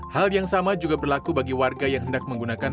hal yang sama juga berlaku bagi warga yang hendak menggunakan